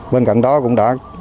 bên cạnh đó cũng đã